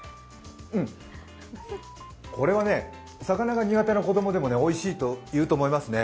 これはね、魚が苦手な子供でもおいしいと言うと思いますね。